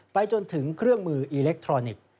ไปจนถึงเครื่องมืออิเล็กทรอนิกส์